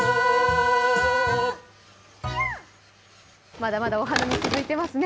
まだまだお花見続いてますね。